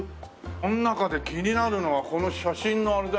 この中で気になるのはこの写真のあれだよね。